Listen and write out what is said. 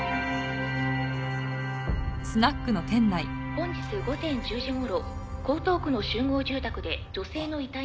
「本日午前１０時頃江東区の集合住宅で女性の遺体が発見されました」